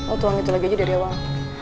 oh tuang itu lagi aja dari awal